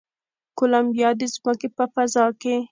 کولمبیا د ځمکې په فضا کې